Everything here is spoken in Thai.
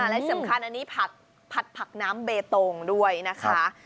และสำคัญอันนี้ผัดผักน้ำเบตงด้วยนะคะ